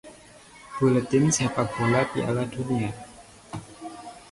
buletin sepak bola Piala Dunia